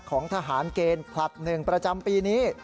ของทหารเกณฑ์คลับหนึ่งประจำปีนี้